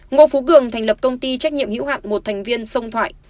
ngô phú cường thành lập công ty trách nhiệm hữu hạn một thành viên sông thoại